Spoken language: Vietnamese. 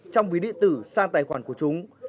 trong ví điện tử sang tài khoản của chúng